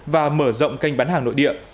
và mở rộng kênh bán hàng nội địa